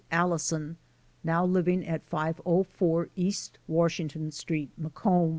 Allison, now living at 504 East Washington street, Macomb.